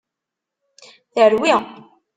Terwi!